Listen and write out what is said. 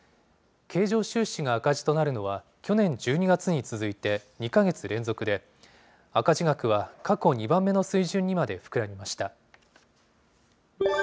経常収支が赤字となるのは、去年１２月に続いて２か月連続で、赤字額は過去２番目の水準にまで膨らみました。